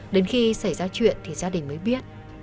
đến khi xảy ra chuyện thì gia đình mới biết